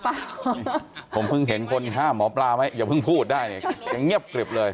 ผมเพิ่งเห็นคนห้ามหมอปลาไว้อย่าเพิ่งพูดได้เนี่ยยังเงียบกริบเลย